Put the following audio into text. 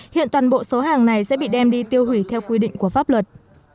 hiện toàn bộ số hàng này sẽ bị đem đi tiêu hủy theo quy định của pháp luật